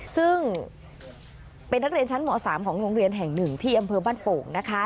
ซึ่งเป็นนักเรียนชั้นม๓ของโรงเรียนแห่งหนึ่งที่อำเภอบ้านโป่งนะคะ